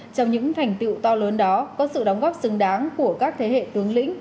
trong những thành tựu to lớn đó có sự đóng góp xứng đáng của các thế hệ tướng lĩnh